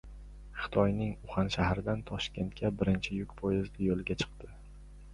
Xitoyning Uxan shahridan Toshkentga birinchi yuk poyezdi yo‘lga chiqdi